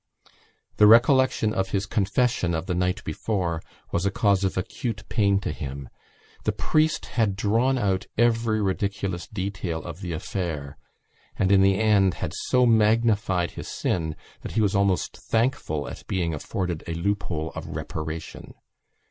The recollection of his confession of the night before was a cause of acute pain to him; the priest had drawn out every ridiculous detail of the affair and in the end had so magnified his sin that he was almost thankful at being afforded a loophole of reparation.